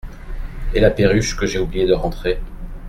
Et la perruche que j’ai oublié de rentrer !…